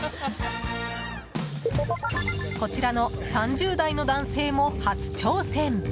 こちらの３０代の男性も初挑戦。